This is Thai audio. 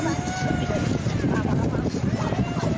มาอย่าใส่กับของ